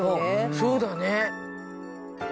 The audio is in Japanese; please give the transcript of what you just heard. そうだね。